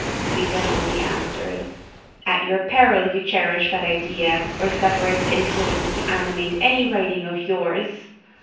Reason only answered, "At your peril you cherish that idea, or suffer its influence to animate any writing of yours!"